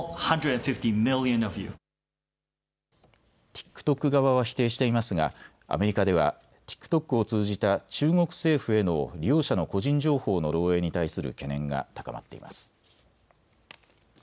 ＴｉｋＴｏｋ側は否定していますがアメリカではＴｉｋＴｏｋを通じた中国政府への利用者の個人情報の漏えいに対する懸念が高まっています。